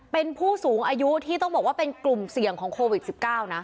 เป็นผู้สูงอายุที่ต้องบอกว่าเป็นกลุ่มเสี่ยงของโควิด๑๙นะ